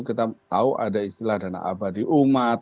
kita tahu ada istilah dana abadi umat